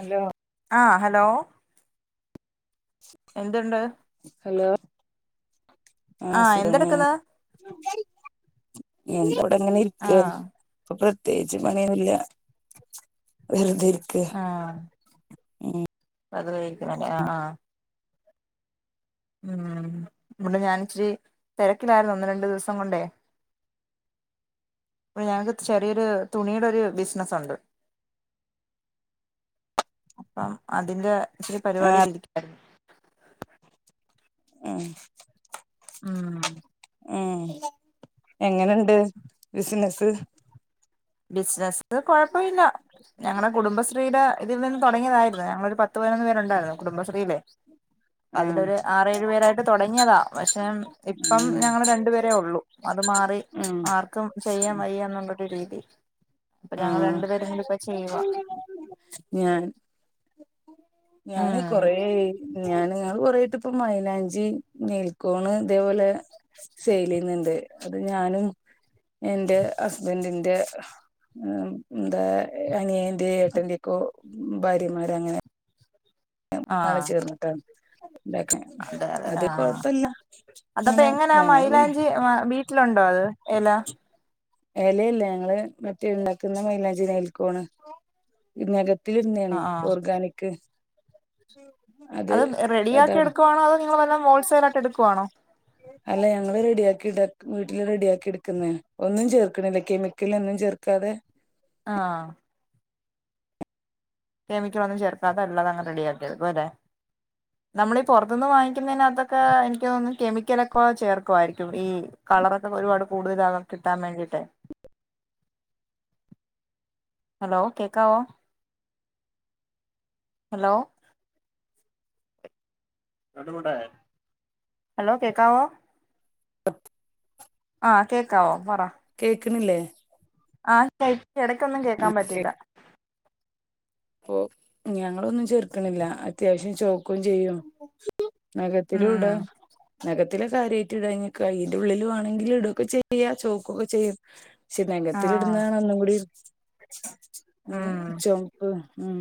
Hello ആഹ് hello എന്തുണ്ട് hello ആഹ് സുഖണ എന്തവിടെ എങ്ങനെ ഇക്ക് ആഹ് ഇപ്പൊ പ്രത്യേകിച്ച് പണിയൊന്നുല്ല വെറുതെരിക്ക ആഹ് വേറുതെ ഇരിക്കുവാല്ലേ ആഹ് ആഹ് ഉം ഇവിടെ ഞാൻ ഇച്ചിരി തിരക്കിലായിരുന്നു ഒന്ന് രണ്ടു ദിവസം കൊണ്ടേ ഇ ഞങ്ങക്ക് ചെറിയൊരു തുണിയുടെ ഒരു ബിസിനസ്സ ഉണ്ട് അപ്പം അതിന്റെ ഇച്ചരി പരിപാടിയിലിരിക്കുവായിരുന്നു ആഹ് ഉം ഉം എങ്ങനെ ഉണ്ട് ബിസിനസ്സ് ബിസിനസ് കൊഴപ്പമില്ല ഞങ്ങളുടെ കുടുംബശ്രീയുടെ ഇതിൽ നിന്ന് തുടങ്ങിയതായിരുന്നു ഞങ്ങള ഒരു പത്ത് പതിനൊന്ന് പേരുണ്ടായിരുന്നു കുടുംബശ്രീയിലെ ഉം അതിലൊരു ആറേഴു പേരായിട്ട് തുടങ്ങിയതാ പക്ഷെ ഇപ്പം ഉം ഞങ്ങള് രണ്ടു പേരേ ഉള്ളൂ അത് മാറി ഉം ആർക്കും ചെയ്യാൻ വയ്യ എന്നുള്ളൊരു രീതി അപ്പൊ ഞങ്ങൾ ആഹ് രണ്ടു പേരും കൂടി ഇപ്പ ചെയ്യുവ ഞാൻ ഞൻ ഉം കൊറെ ഞാൻ ഞങ്ങള് കൊറായിട്ട് ഇപ്പ മൈലാഞ്ചി നെൽക്കോണ് ഇതേപോലെ സെൽ ചെയുന്നുണ്ട് അത് ഞാനും എന്റെ ഹസ്ബന്റിന്റെ ഉം എന്താ അനിയന്റെ ഏട്ടന്റെക്കോ ഭാര്യമാരങ്ങനെ നാണ് ആഹ് ചേർന്നിട്ട അതെ അതെ ആഹ് അതപ്പോ അങ്ങനെ എങ്ങനാ ഞങ്ങള് പിന്നെ മൈയിലാഞ്ചി വീട്ടിലുണ്ടോ അത് ഇല ഇലയില്ല ഞങ്ങള് മറ്റേ ഉണ്ടാക്കുന്ന മയിലാഞ്ചി നേൽകോണ് ഈ നഖ ത്തിടുന്നെയണ് ആഹ് ആഹ് ഓർഗാനിക് അത് റെഡിയാക്കി അതാണ് എടുക്കുണോ അത നിങ്ങൾ വല്ല ഹോൾസെൽ ആയിട്ട് എടുക്കവാണോ. അല്ല ഞങ്ങള്ൾ റെഡിയാക്കി വീട്ടില് റെഡിയ ആാക്കി എടുക്കുന്ന. ഒന്നും ചേർക്ക്ണ്ല് കെമിക്ക മിക്കൽ ഒന്നും ചേർക്കാതെ ആഹ് കെമിക്കൽ ഒും ചർക്കാതെ ഇളത് അങ് റെഡിയാക്കിയടുകും അല്ലെ. നമ്മളീഈ പുൊറത്തുന്ന് വാങ്ങിക്കുന്നതിനകത്തൊക്കെ എനിക്ക് തോന്നുന്നു കെമിക്കലൊക്കെ ചേർക്കുായിരിക്കും ഈ കളറൊക്കെ ഒരുപാട് കൂടുതലാകൻ കിട്ടാൻ വേണ്ടിട്ട്. ഹലോ കേക്കാവോ ഹലോ? ഹലോ കേക്കാവോ? അ [unintelligible] ആഹ കേക്കാവോ പറോ കേൾക്കണില്ലേ ആ ച ഇടക്കൊന്നും ആ കേൾക്കാൻ പറ്റില്ല. അപ്പൊ ഞങ്ങളൊന്നും ചേർക്കണില്ല അത്യാവശ്യം ചോക്കയും ചെയ്യും നഖത്തിലൂം ഇട ഉം നഖത്തിലെ കാര്യമായിട്ട് ഇടാഞ്ഞ ക അയിന്റെറെ ഉള്ളിൽ വണെങ്കിലൽ ഇടൊക്കെ ചെയ്യ ചോക്കുകൊക്കെ ചെയ്യും പക്ഷെ നഖത്തിൽ ആഹ് ഇടുന്നാണ് ഒന്നും കൂടി ഏ ഉം ചോ ഉം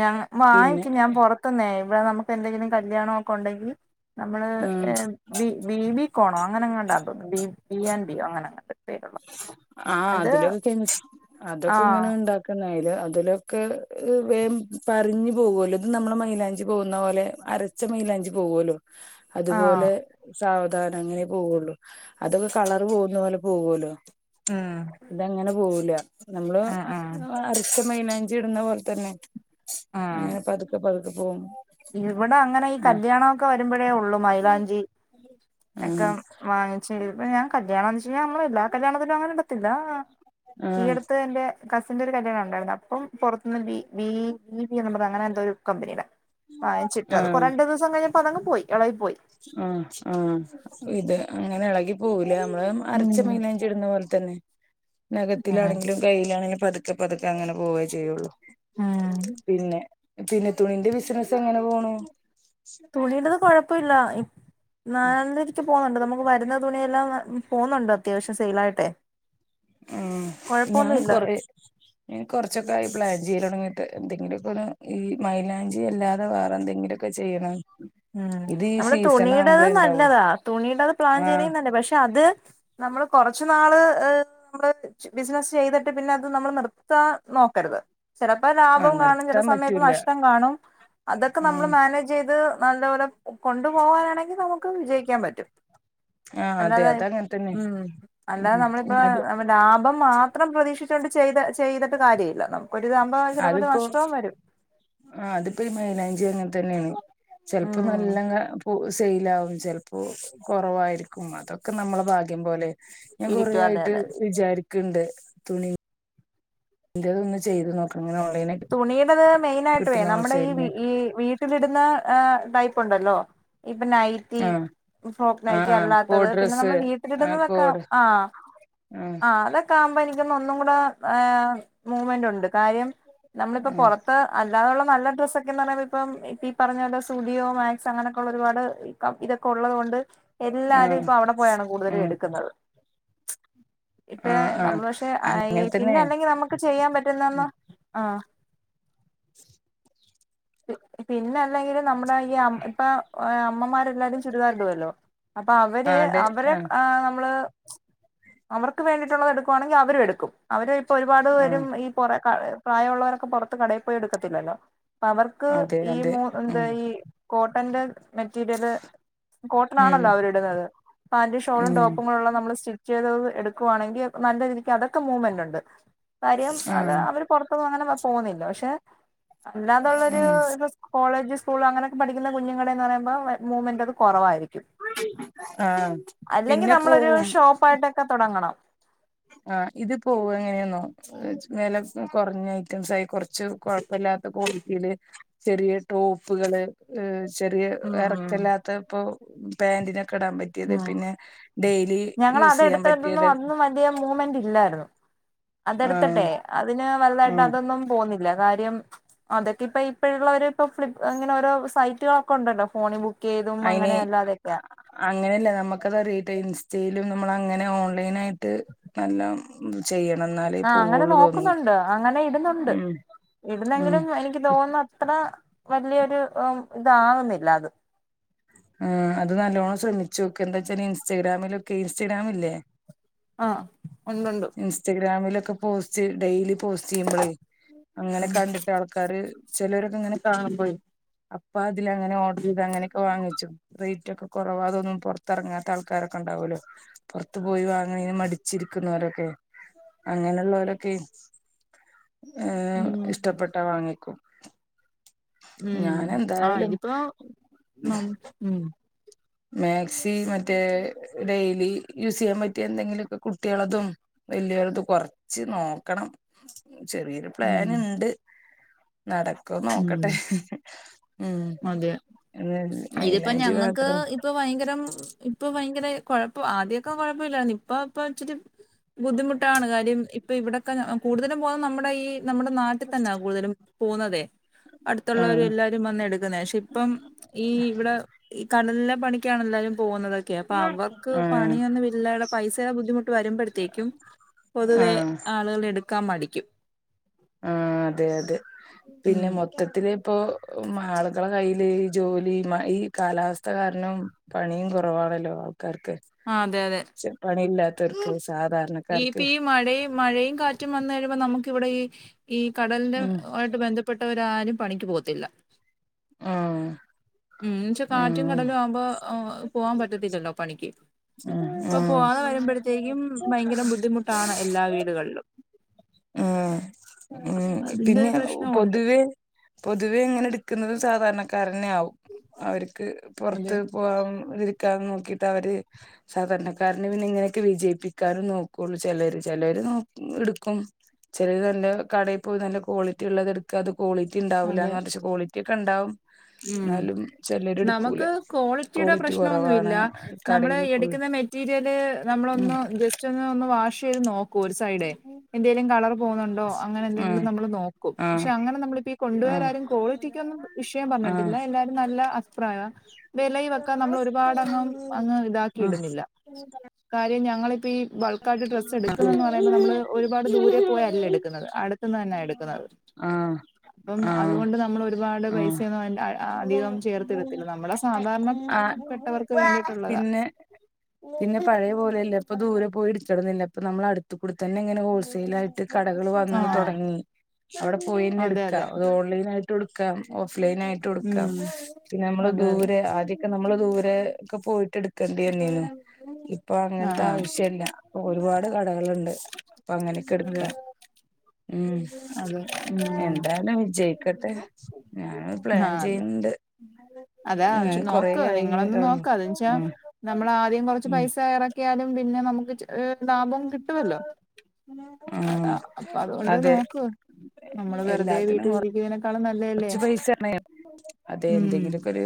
ഞാൻ പിന്നെ വാങ്ങിക്കും ഞാൻ പുറത്തുന്ന് ഇവിടെ നമുക്ക് എന്തെങ്കിലും കല്യാണണം ഒക്കെ ഉണ്ടെങ്കിൽ. നമ്മള് ഉം ബ ബി കോണോ അങ്ങനെ അങ്ങണ്ടാ ബി ബ് ആൻ് ബിയോ അങ്ങനെ അങ്ങണ്ട്. ആഹ അതിലൊക്ക കമി അതൊക്കെ ഇങ്ങനെ ആഹ് ഉണ്ടാക്ക ും അതിലൊക്കെ വ പറഞ്ഞു പോകുമല്ലോ ഇത് നമ്മളെ മൈയിലാഞ്ചി പോകുന്ന പോലെ അര അരച്ച മൈയില അഞ്ച് പോകുല്ലോ അത്പോലെ ആഹ് അതുപോലെ സാവധാനം അങ്ങനെ പോവുള്ളു. അതൊക്കെ കളർ പോകുന്ന പോലെ പോകല്ലോ? ഉം ഇതങങ്ങനെ പോവുല നമ്മള് ഉം ഉം അരച്ച മൈലാഞ്ചി ച് ഇടുന്ന പോലെ തന്നെ ഉം അങ്ങനെ പതുക്കെ പതുക്കെ പോകും. ഇവിടെ അങ്ങനെ ഈ ആഹ് കല്യാണം ഒക്കെ വരുമ്പോഴേ ഉള്ളു മൈലാഞ്ചി ഒക്കെ ആഹ് വാങ്ങിച്ചേ ഇപ്പ ഞാൻ കല്യാണ വെ വങ്ങിച്ച് ഞൻ കല്യാണം ആണിച് നമ്മ എല്ലാ കല്യാണത്തിലനും അങ്ങനെടുത്തില്ല. ഈ ആഹ് അടുത്ത് എൻ്റെ കസിന്റെ ഒരു കല്യാമാണ് ഉണ്ടായിരുന്നത് അപ്പം പുറത്തുനിന്ന്ന്ന് ബി ബിപറഞ്ഞ അങ്ങനെ എന്തോ ഒരും വാ ചിട്ട അ കുറ രണ്ട് ദിവസം കഴഞ്ഞപ്പോ അതങ് പോയി ഇളവിൽ പോയി. ആ ആ ഇത് അങ്ങനെ ഇളകി പോവല നമ്മള് ഉം അരച്ച മൈനഞ്ചി ഇടുന്ന പോലെ തന്നെ നഖത്തിലാണെങ്കിലും കയ്യിലാണെങ്കിലും പതുക്കെ പതുക്കെ അങ്ങനെ പോവയേ ചെയ്യുള്ളൂ. ഉം പിന്നെ പിന്നെ തുണിന്റെ ബിസിനസ് എങ്ങനെ പോണു. തുണിയടത് കുഴപ്പമില്ല നാലക്ക് പോകുന്നുണ്ട് നമുക്ക് വരുന്നത് തുണിയെല്ലാം പോന്നുണ്ട് അത്യാവശ്യം സെയിൽായിട്ടെ. ഉ ഞാനും കൊറ [inaudible] [inaudible] ഇ കുറച്ചൊക്കെ പ്ലാൻ ചെയി തുടങ്ങിട്ട് എന്തെങ്കിലൊക്ക ഒ ഈ മൈാഞ്ചി അല്ലാതെ വേറെ എന്തെങ്കിലൊക്കെ ഒക്കെ ചെയ്യണം ഉം ഇത് ഈ നമ്മള് സീസൺ തുണിയടത് ആവുമ്പോളേ ഉണ്ടാവുള്ളൂ നല്ലതാ തുണിയടത് പ്ലാൻ ആഹ് ചെയ്യണെങ്കിൽ നല്ലേ പക്ഷെ അത്. നമ്മള് കൊറച്ചു നാള് ഹ നമ്മള് ബിസിനസ്സ് ചെയ്തിട്ട് പിന്നെ അത് നമ്മൾ നിർത്താ നോക്കരുത്. ചിലപ്പോ ആഹ് ലാഭം കാണും ചില നിർത്താൻ സമയത്ത് പറ്റൂല നഷ്ടം കാണും അതൊക്കെ നമ്മള് ഉം മാനേജ് ചെയ്ത്. നല്ലപോലെ കൊണ്ടു പോകാനാണെങ്കി നമുക്ക് വിജയിക്കാൻ പറ്റും ആഹ് അതെ അല്ലാതെ അത് അങ്ങനെ തന്നെ ഉം അല്ലാതെ ഉം നമ്മളിപ്പോ അത് ലാഭം മാത്രം പ്രതീക്ഷിച്ചുകൊണ്ട് ചെയ്ത ചെയ്തിട്ട് കാര്യല്ലല്ലോ ഒരു സംഭവം ചെലപ്പൊരു നഷ്ടവും വരും ആ അതിപ്പോ ഈ മെയ്ലാഞ്ചി അങ്ങൻത്തെന്നെണ് ചെൽപ്പോ ഉം നല്ലങ്ങ പ്പൊ സെയിലാവും ചെൽപ്പോ കൊറവായിരിക്കും അതൊക്കെ നമ്മളെ ഭാഗ്യം പോലെ ഞാൻ കൊറേ ഇരിക്കും അതെ അതെ ആയിട്ട് വിചാരിക്ക്ണ്ട് തുണി ന്റതൊന്ന് ചെയ്ത് നോ തുണിടത് മെയിനായിട്ടുവേ കിട്ടുന്ന നമ്മുടെ ഈ ഹോൾസെയിലിന് ഈ വീ ട്ട്ല്ട്ന്ന എ ടൈപ്പുണ്ടല്ലോ ഇപ്പൊ നൈ റ്റി ആഹ് ഫോക്ക് ആഹ് നൈറ്റി ആഹ് അല്ലാത്തത് കോഡ് പിന്നെ ഡ്രസ്സ് നമ്മള് ആഹ് വീട്ടിലിട്ന്നൊക്കെ കോഡ് ആഹ് ആഹ് അതൊക്കാവുമ്പൊ എനിക്കൊന്നൊന്നും കൂടെ മൂവ്മെന്റുണ്ട് കാര്യം നമ്മളിപ്പോ ആഹ് പൊറ ഇപ്പൊ അല്ലാതുള്ള നല്ല ഡ്രസ്സൊക്കെന്ന് പറയ്മ്പൊ ഇപ്പം ഇപ്പീ പറഞ്ഞ പോലെ സുഡിയോ മാക്സ് അങ്ങനെയൊക്കെള്ള ഒരുപാട് കം ഇതൊക്കെ ഒള്ളത് കൊണ്ട് എല്ലാരും ആഹ് ഇപ്പൊ അവടെ പോയാണ് കൂടുതലും എടുക്കുന്നത് ആഹ് ഇപ്പെ ആഹ് ആഹ് നമ്മൾ പക്ഷെ അയ് അങ്ങനെ തന്നെ പിന്നെ അല്ലെങ്കി നമ്മക്ക് ചെയ്യാൻ പറ്റുന്നന്ന് ആഹ് ആഹ് പിന്നെ അല്ലെങ്കിലും നമ്മുടെ ഈ അമ് ഇപ്പെ അമ്മമാരെല്ലാരും ചുരിദാർടുവല്ലോ അപ്പവര് അതെ അവരെ ആഹ് എ നമ്മള് അവർക്ക് വേണ്ടിട്ടുള്ളത് എടുക്കുവാണെങ്കി അവരും എടുക്കും അവര് ഇപ്പൊ ഒരുപാട് ആഹ് പേരും ഈ കൊറേ ക പ്രായമുള്ളവരൊക്കെ പൊറത്ത് കടേ പോയി എടുക്കത്തില്ലല്ലോ പ്പവർക്ക് അതെ ഈ അതെ മു എന്താ ഉം ഈ കോട്ടന്റെ മെറ്റീരിയല് ഉം കോട്ടനാണല്ലോ അവരിടുന്നത് പാന്റും ഷോളും ഉം ടോപ്പും കൂടൊള്ള നമ്മള് സ്റ്റി ച്ചെയ്തത് എടുക്കുവാണെങ്കി നല്ല രീതിക്ക് അതൊക്കെ മൂവ്മെന്റുണ്ട് കാര്യം അത് ആഹ് അവര് പൊർത്തൊന്നും അങ്ങനെ പോന്നില്ല പക്ഷെ അല്ലാതുള്ളൊരു ആഹ് ഇപ്പൊ സ് കോളേജ് സ്കൂള് അങ്ങനെയൊക്കെ പഠിക്കുന്ന കുഞ്ഞുങ്ങടെന്ന് പറയുമ്പോ മൂവ്മെന്റത് കൊറവായിരിക്കും ആഹ് അല്ലെങ്കി പിന്നെ നമ്മളൊരു പോവും ഷോപ്പായിട്ടൊക്കെ തൊടങ്ങണം ആഹ് ഇത് പോവ എങ്ങനെന്നോ വെല കൊർഞ്ഞയ്റ്റംസായി കൊർച്ച് കൊഴപ്പില്ലാത്ത ക്വാളിറ്റില് ചെറിയ ടോപ്പുകള് ചെറിയ ഉം ഉം എറക്കല്ലാത്തത് പ്പോ പാന്റിനൊക്കെടാൻ പറ്റി റ്റ്യേത് ഉം പിന്നെ ഡെയ്ലി യൂസെയ്യാൻ പറ്റ്യേത് മൂവ്മെന്റ്ല്ലാര്ന്നു ആഹ് അതെട്ത്ത്ട്ടെ അതിന് വല്ലതായിട്ട് ഉം അതൊന്നും പോന്നി ല്ല കാര്യം അതെ ഇപ്പ ഇപ്പഴ്ള്ളോര് ഇപ്പ ഫ്ലിപ്പ് ങ്ങനെ ഓരോ സൈറ്റുകളൊക്കെ ഒണ്ടല്ലോ ഫോണി ബുക്ക് ചെയ്തും അയ്ന് അങ്ങനെ അല്ലാതൊക്കെയാ അങ്ങനല്ല നമ്മക്കത് റീട്ടെൽ ഇൻസ്റ്റെലും നമ്മളങ്ങനെ ഓൺലൈനായിട്ട് നല്ലം ചെയ്യണം ന്നാൽ ആഹ് അങ്ങനെ നോക്കുന്നുണ്ട് അങ്ങനെ ഇടുന്നുണ്ട് ഉം ഉം ഇടുന്നെങ്കിലും എനിക്ക് തോന്നത്ര വല്യോരു ഇതാകുന്നില്ല അത് ആഹ് അത് നല്ലോണം ശ്രമിച്ചോക്ക് എന്താച്ചാൽ ഇൻസ്റ്റാഗ്രാമിലൊക്കെ ഇൻസ്റ്റഗാമില്ലേ ആഹ് ഉണ്ട്ണ്ട് ഇൻസ്റ്റാഗ്രാമിലൊക്കെ പോസ്റ്റ് ഡെയ്ലി പോസ്റ്റെയ്യുബ്ലെ അങ്ങനെ ഉം കണ്ടിട്ട് ആൾ ക്കാര് ചെലോരൊക്കെങ്ങനെ കാണുമ്പേ അപ്പാതില് അങ്ങനെ ഓർഡറെയ്ത് അങ്ങനെക്കെ വാങ്ങി ച്ചു റെയ്റ്റൊക്കെ കൊറവാ അതൊന്നും പൊർത്തെറങ്ങാത്ത ആൾക്കാരൊക്കെ ണ്ടാവല്ലോ പൊറത്ത് പോയി വാങ്ങാന് മടിച്ചിരിക്കുന്നോരൊക്കെ അങ്ങനൊള്ളോരൊക്കെ ഏഹ് ഉം ഇഷ്ടപ്പെട്ടാ വാങ്ങിക്കും ഉം ഞാൻ ആഹ് എന്തായാലും ഇതിപ്പോ നം ഉം മാക്സി മറ്റേ ഡെയിലി യൂസ് ചെയ്യാൻ പറ്റിയെന്തെങ്കിലൊക്കെ കുട്ടികളതും വല്യോലത് കൊറച്ച് നോക്കണം ചെറിയൊരു ഉം പ്ലാന്ണ്ട് നടക് ക്കോ ഉം നോക്കട്ടെ ഉം അതെ ഇല്ലേ മൈലാഞ്ചി മാത്രം ഇപ്പ ഭയങ്കരം ഇപ്പം ഭയങ്കര കൊഴപ്പാ ആദ്യൊക്കെ കൊഴപ്പില്ലാരുന്നു ഇപ്പൊ ഇപ്പൊ ഇച്ചിരി ബുദ്ധിമുട്ടാണ് കാര്യം ഇപ്പം ഇവിടെക്കെ ഞാ കൂടുതലും പോകുന്ന നമ്മടെ ഈ നമ്മടെ നാട്ടിത്തന്നാ കൂടുതലും പോകുന്നതേ അടുത്തുള്ളവരും ആഹ് എല്ലാരും വന്ന് എടുക്കുന്നെയാ പക്ഷെ ഇപ്പം ഈ ഇവിടെ ഈ കടലിലെ പണിക്കാണെല്ലാരും പോകുന്നത് ക്കെ അപ്പം അവർക്ക് ആഹ് പണിയൊന്നും ഇല്ലാതെ പൈസേടെ ബുദ്ധിമുട്ട് വരുമ്പഴത്തേക്കും പൊതുവേ ആഹ് ആളുകളെടുക്കാൻ മടിക്കും ആഹ് അതെ അതെ പിന്നെ ഉം മൊത് ത്തത്തിലിപ്പോ മാള്കളെ കൈയില് ഈ ജോലി മാ ഈ കാലാവസ്ഥ കാരണം പണീം കൊറവാണല്ലോ ആൾക്കാർക്ക് ആഹ് അതെ അതെ ച്ചെ പണിയില്ലാത്തവർക്കിത് സാധാ ഈപ്പീ മഴയും മഴയും കാറ്റും വന്ന് കഴിയുമ്പോ നമുക്കിവിടെ ഈ ഈ കടലിന്റെ ഉം ഓ ട് ബന്ധപ്പെട്ടവരാരും പണിക്ക് പോകത്തില്ല ആഹ് ഉം എന്ന്ച്ചാ കാറ്റും ആഹ് കടലും ആവുമ്പോ ആഹ് പോകാൻ പറ്റത്തില്ലല്ലോ പണിക്ക് ആഹ് അപ്പൊ ആഹ് പോവാതെ വരുമ്പോഴത്തേക്കും ഭയങ്കര ബുദ്ധിമുട്ടാണ് എല്ലാ വീടുകൾലും ഉം ഉം അതിന്റെ പിന്നെ ഒരു പ്രശ്നമുണ്ട് പൊതുവേ പൊതുവേ അങ്ങനെടുക്കുന്നത് സാധാരണക്കാരന്നെ ആവും അവര്ക്ക് അതെ പൊറത്ത് പോവാതിരിക്കാൻ നോക്കിട്ടവര് സാധാരണക്കാരനെ പിന്നെ ഇങ്ങനെയൊക്കെ വിജയിപ്പിക്കാനും നോക്കുള്ളു ചെലര് ചെലര് നോ എടുക്കും ചെലരെന്താ കടേ പോയി നല്ല ക്വാളിറ്റി ഉള്ളത് എടുക്കാതെ ക്വാളിറ്റി അതെ ഇണ്ടാവൂല്ലാന്ന് പറഞ്ഞു പക്ഷെ ക്വാളി റ്റിക്കണ്ടാവും ഉം നമുക്ക് ക്വാളിറ്റീടെ ക്വാളിറ്റി പ്രശ്നവൊന്നും ഇല്ല കുറവാണ് നമ്മള് കടയില് പോയി എടുക്ക്ന്ന മെറ്റീരിയല് ഉം നമ്മളൊന്ന് ജസ് റ്റൊന്ന് ഒന്ന് വാഷ് ചെയ്ത് നോക്കും ഒരു സൈഡേ എന്തേലും കളറ് പോന്നൊണ്ടോ ആഹ് അങ്ങനെന്തെങ്കിലും നമ്മള് നോക്കും ആഹ് പക്ഷെ അങ്ങനെ നമ്മളിപ്പീ കൊണ്ട് ആഹ് പോയവരാരും ക്വാളിറ്റിക്കൊന്നും ഇഷ് ആഹ് പറഞ്ഞിട്ടില്ല എല്ലാരും നല്ല അഭിപ്രായാ വെലയുവക്കെ നമ്മളൊരുപാടങ്ങും അങ്ങ് ഇതാക്കി ആഹ് ഇടുന്നില്ല കാര്യം ഞങ്ങളിപ്പീ ബൾക്കായിട്ട് ഡ്രസ്സ് എടുക്കുന്നന്ന് പറയുമ്പ നമ്മള് ഒരുപാട് ദൂരേ പോയല്ല എടുക്കുന്നത് അടുത്ത്ന്ന് തന്നാ എടുക്കുന്നത് ആഹ് അപ്പം ആഹ് അതുകൊണ്ട് നമ്മൾ ഒരുപാട് ആഹ് പൈസയൊന്നും അധികം ചേർത്തിടത്തില്ല നമ്മളെ സാധാരണ പെട്ടവർക്ക് ആഹ് വേണ്ടിയിട്ടുള്ളതാ പിന്നെ പിന്നെ പഴയ പോലല്ല ഇപ്പൊ ദൂരെ പോയെടുക്കണന്നില്ല്പ്പ നമ്മള് അടുത്ത്ക്കൂടെ തന്നെ ഇങ്ങനെ ഹോൾസെയിലായിട്ട് കടകള് വന്ന് ആഹ് തൊടങ്ങി അവിടെ പോയന്നെ അതെ എടുക്ക്വാ അതെ അത് ഹോ ഓൺലൈനായിട്ടും എടുക്കാം ഓഫ്‌ലൈനായിട്ടും എടുക്കാം ഉം പിന്നെ നമ്മള് അതെ അതെ ദൂരേ ആ ക്കെ നമ്മള് ദൂരെ ഒക്കെ പോയിട്ട് എടുക്കേണ്ടി വന്നീനു ഇപ്പൊ ആഹ് അങ്ങനത്തെ ആഹ് ആവശ്യല്ല ഒരുപാട് കടകള്ണ്ട് ഇപ്പൊ അങ്ങനെക്കെ അതെ എടുക്കാം ഉം അതെ ഉം എന്താലും വിജയിക്കട്ടെ ഞങ്ങള് പ്ലാൻ ആഹ് ചെയ്യുന്ന്ണ്ട് പിന്നെല്ല് അതാ ച്ച് നോക്ക് നിങ്ങളെന്ന നോക്ക് അത്ൻച്ചാ ഉം നമ്മള് ആദ്യം കാെറച്ച് ഉം പൈസ എറ ക്കിയാലും പിന്നെ നമുക്ക് ലാഭം കിട്ടുവല്ലോ ഉം അതാ അപ്പൊ അതുകൊണ്ട് അതെ നോക്ക് നമ്മള് വെറുതെ വീട്ടിൽ ഇരിക്കിന്നയ്നെ കാ കാെർച്ച് പൈസ എന്നേൽ അതെ ഉം എന്തെങ്കിലൊക്കെ ഒരു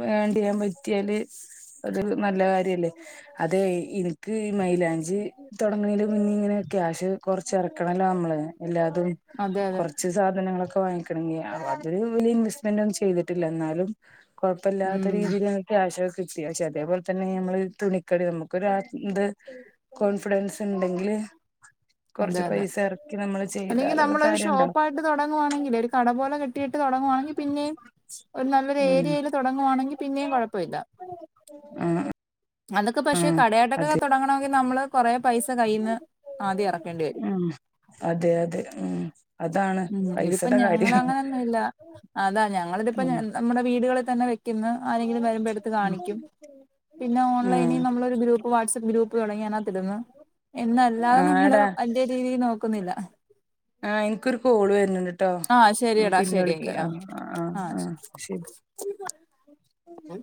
വേണ്ടിയ്യാൻ പറ്റ്യാല് അത് ഒരു നല്ല കാര്യല്ലേ അതെ ഇ ഇൻക്ക് ഈ മൈലാഞ്ചി തൊടങ്ങ്ണീന്റെ മുന്ന്ഇങ്ങനെ ക്യാഷ് കൊർച്ച് എറക്കണല്ലോ നമ്മള് എല്ലാതും അതെ അതെ കൊർച്ച് സാധനങ്ങളൊക്ക വാങ്ങിക്കണങ്കി അ അത് വല്യ ഇൻവെസ്റ്റ്മെന്റ് ഒന്നും ചെയ്തിട്ടില്ല എന്നാലും കാെഴപ്പല്ലാത്ത ഉം രീതിയിലാ ക്യാഷ് കിട്ടിയ പക്ഷെ അതേപോൽതന്നെ നമ്മള് തുണിക്കടി നമുക്കൊരാ ന്ത് കോൺഫിഡൻസ് ഇണ്ടെങ്കില് അതെ കാെർച്ച് അതെ പൈസ എറക്കി നമ്മള് ചെയ്താലൊക്കെ കാര്യണ്ടാവും ണം വാണെങ്കില് ഒര് കടപോലെ കെട്ടിയിട്ട് താെടങ്ങുവാണെങ്കി പിന്നെയും ഒരു നല്ലൊരു ഉം ഏരിയേല് തുടങ്ങവാണെങ്കി പിന്നെയും കുഴപ്പവില്ല ആഹ് അതൊക്കെ പക്ഷെ ആഹ് കടയാട്ടക്കൊക്കെ അതെ തൊടങ്ങണോങ്കി നമ്മള് കൊറെ പൈസ കയ്യിന്ന് ആദ്യം എറക്കേണ്ടി വരും ഉം അതെ അതെ ഉം അതാണ് ഉം ഇതിപ്പ പൈസടെ ഞങ്ങള് കാര്യം അങ്ങന്നൊന്നുല്ല അതാ ഞങ്ങളിതിപ്പ ന ഉം നമ്മുടെ വീടുകളി തന്നെ വെക്കുന്ന് ആരെങ്കിലും വരുമ്പോ എടുത്ത് കാണിക്കും പിന്നെ ഓൺലൈനീ നമ്മള ഒരു ഗ്രൂപ്പ് വാട്സ്ആപ്പ് ഗ്രൂപ്പ് തുടങ്ങിയാനകത്തിട്ന്ന് എന്നല്ലാതെ ആഹ് നമ്മള് ആടാ അയ്ന്റെ രീതീൽ നോക്കുന്നില്ല ആഹ് ഇൻക്കൊരു കോള് വര്ന്ണ്ട് ട്ടോ ആഹ് ശരിയടാ പിന്നെ വിളിക്കാ ശരിയെങ്കി ആഹ് ആഹ് ആഹ് ശരി [unintelligible] അപ്പം